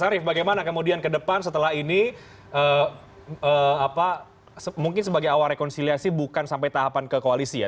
arief bagaimana kemudian ke depan setelah ini mungkin sebagai awal rekonsiliasi bukan sampai tahapan ke koalisi ya